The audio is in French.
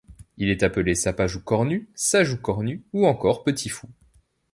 Il est appelé Sapajou cornu, Sajou cornu, ou encore Petit-fou.